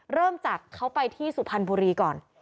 เริ่มจากเขาไปที่สุพรรณบุรีก่อน